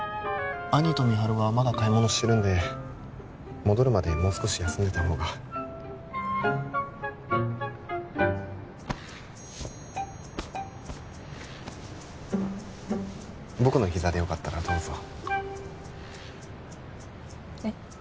兄と美晴はまだ買い物してるんで戻るまでもう少し休んでたほうが僕の膝でよかったらどうぞえっ？